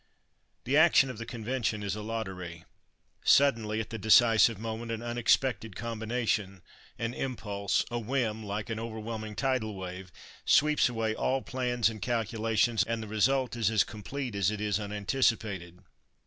The action of the convention is a lottery. Suddenly, at the decisive moment, an unexpected combination, an impulse, a whim, like an overwhelming tidal wave, sweeps away all plans and calculations, and the result is as complete as it is unanticipated.